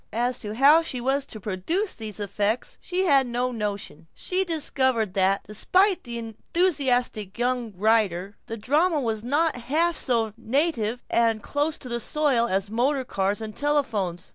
As to how she was to produce these effects she had no notion. She discovered that, despite the enthusiastic young writers, the drama was not half so native and close to the soil as motor cars and telephones.